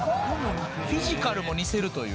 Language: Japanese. フィジカルも似せるという。